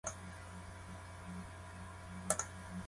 目的地を目指して、君と僕は団地の外へ向けて歩いたんだ